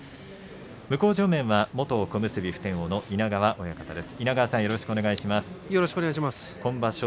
向正面は元小結普天王の稲川親方です。